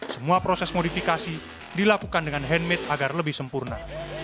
semua proses modifikasi dilakukan dengan handmade agar lebih sempurna